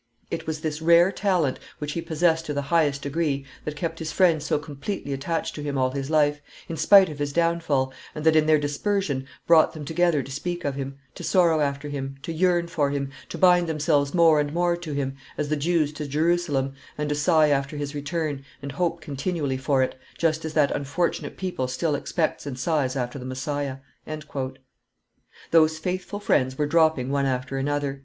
It was this rare talent, which he possessed to the highest degree, that kept his friends so completely attached to him all his life, in spite of his downfall, and that, in their dispersion, brought them together to speak of him, to sorrow after him, to yearn for him, to bind themselves more and more to him, as the Jews to Jerusalem, and to sigh after his return and hope continually for it, just as that unfortunate people still expects and sighs after the Messiah." Those faithful friends were dropping one after another.